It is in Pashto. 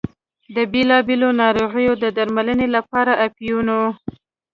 د بېلا بېلو ناروغیو د درملنې لپاره اپینو.